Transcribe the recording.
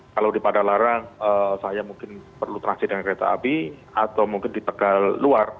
kalau di padalarang saya mungkin perlu transit dengan kereta api atau mungkin di tegal luar